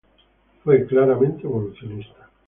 Fue claramente evolucionista.